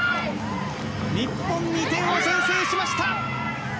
日本２点を先制しました。